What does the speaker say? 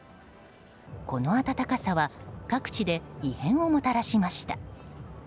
この暖かさは各地で異変をもたらしました。